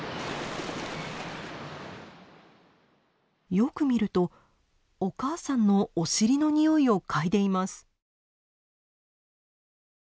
よく見るとお母さんのお尻のにおいを嗅いでいます。